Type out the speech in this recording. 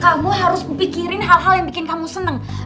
kamu harus berpikirin hal hal yang bikin kamu seneng